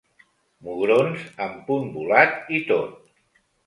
Mugrons amb punt volat i tot.